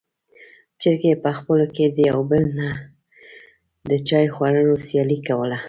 چرګې په خپلو کې د يو بل نه د چای خوړلو سیالي کوله.